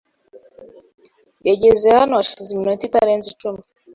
yageze hano hashize iminota itarenze icumi.